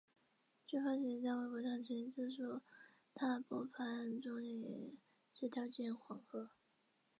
据潘石屹在微博上曾经自述大伯潘钟麟是掉进黄河。